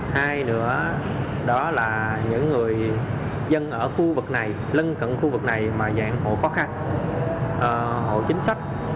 hai nữa đó là những người dân ở khu vực này lân cận khu vực này mà dạng hộ khó khăn hộ chính sách